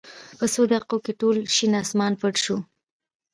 په څو دقېقو کې ټول شین اسمان پټ شو.